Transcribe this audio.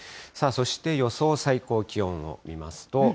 そして、予想最高気温を見ますと。